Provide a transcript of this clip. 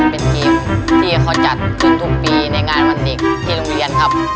เป็นทีมที่เขาจัดขึ้นทุกปีในงานวันเด็กที่โรงเรียนครับ